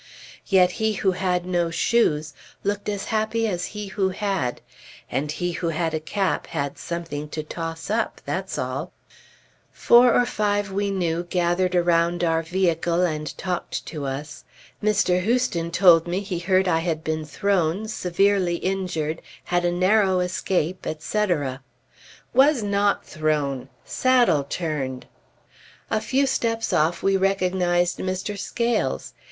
Yet he who had no shoes looked as happy as he who had, and he who had a cap had something to toss up, that's all. Four or five that we knew gathered around our vehicle and talked to us. Mr. Heuston told me he heard I had been thrown, severely injured, had a narrow escape, etc. Was not thrown! Saddle turned. A few steps off we recognized Mr. Scales.